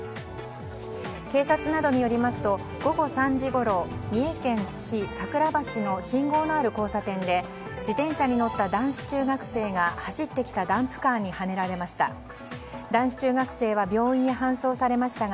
警察などによりますと午後３時ごろ三重県津市桜橋の信号のある交差点で自転車に乗った男子中学生が走ってきたダンプカーにはねられました。